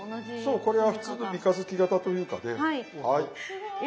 そうこれは普通の三日月型というかねはい。